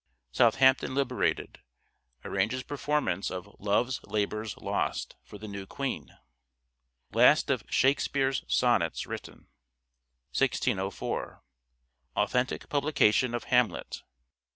Southampton liberated — arranges performance of " Love's Labour's Lost " for the new Queen. Last of " Shakespeare's " sonnets written. 1604. Authentic publication of " Hamlet."